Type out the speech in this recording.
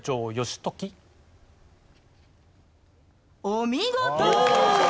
お見事！